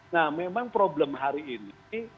nah memang problem hari ini